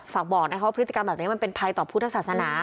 ฝากบอกนะคะว่าพฤติกรรมแบบนี้มันเป็นภัยต่อพุทธศาสนา